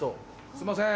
すんません！